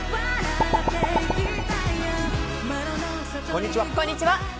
こんにちは。